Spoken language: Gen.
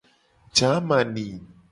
Jamani.